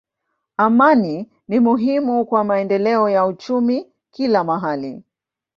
Amani ni muhimu kwa maendeleo ya uchumi kila mahali.